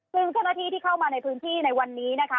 ซึ่งเจ้าหน้าที่ที่เข้ามาในพื้นที่ในวันนี้นะคะ